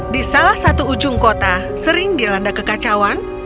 di salah satu ujung kota sering dilanda kekacauan